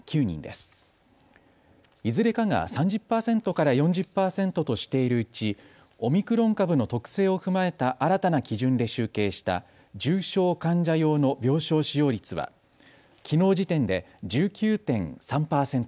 いずれかが３０％から４０％としているうち、オミクロン株の特性を踏まえた新たな基準で集計した重症患者用の病床使用率はきのう時点で１９．３％です。